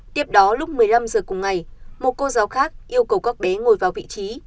tiếp đó lúc một mươi năm giờ cùng ngày một cô giáo khác yêu cầu các bé ngồi vào vị trí